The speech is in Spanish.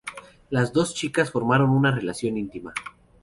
Las dos chicas formaron una relación íntima.